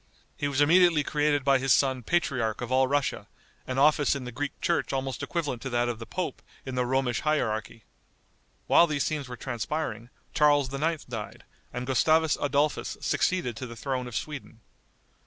He was immediately created by his son patriarch of all Russia, an office in the Greek church almost equivalent to that of the pope in the Romish hierarchy. While these scenes were transpiring, Charles IX. died, and Gustavus Adolphus succeeded to the throne of Sweden.